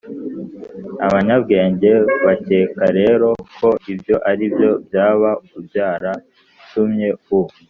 abanyabwenge bakeka rero ko ibyo ari byo byaba byaratumye u